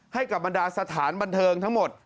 ให้กับบรรดาสถานบันเทิงทั้งหมด